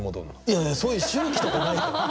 いやいやそういう周期とかないから。